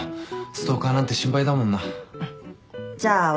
ストーカーなんて心配だもんな。